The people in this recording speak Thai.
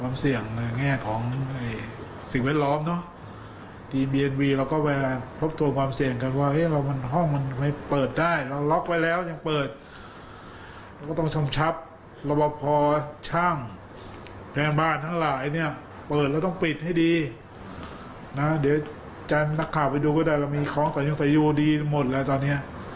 มันพลาดขึ้นมาประบบคล่องของพนักงานหรืออะไรก็แล้วแต่